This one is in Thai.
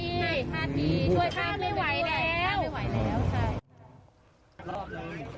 ช่วยค่าไม่ไหวแล้ว